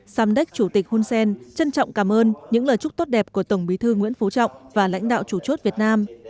samdek chủ tịch hun sen trân trọng cảm ơn những lời chúc tốt đẹp của tổng bí thư nguyễn phú trọng và lãnh đạo chủ chốt việt nam